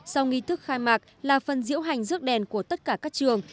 sau nghi thức khai mạc là phần diễu hành rước đèn của tất cả các trường